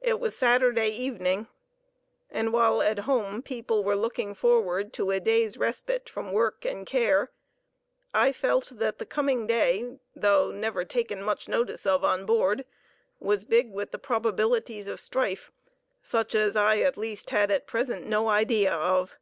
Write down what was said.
It was Saturday evening, and while at home people were looking forward to a day's respite from work and care, I felt that the coming day, though never taken much notice of on board, was big with the probabilities of strife such as I at least had at present no idea of.